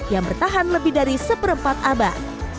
yang bertahan lebih dari seperempat abad